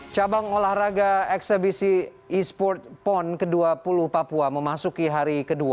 cabang olahraga eksebisi e sport pon ke dua puluh papua memasuki hari kedua